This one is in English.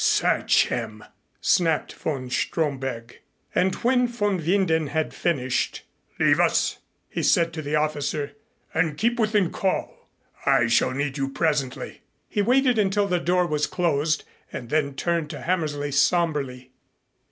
"Search him!" snapped von Stromberg. And when von Winden had finished, "Leave us," he said to the officer, "and keep within call, I shall need you presently." He waited until the door was closed and then turned to Hammersley somberly.